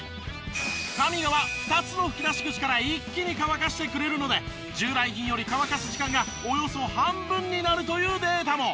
ＫＡＭＩＧＡは２つの吹き出し口から一気に乾かしてくれるので従来品より乾かす時間がおよそ半分になるというデータも。